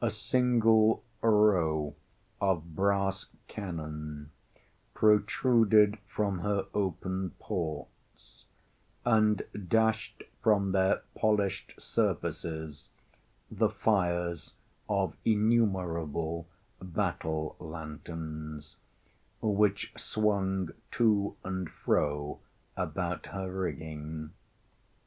A single row of brass cannon protruded from her open ports, and dashed from their polished surfaces the fires of innumerable battle lanterns, which swung to and fro about her rigging.